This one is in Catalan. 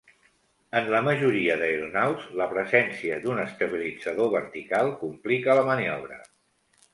En la majoria d'aeronaus, la presència d'un estabilitzador vertical complica la maniobra.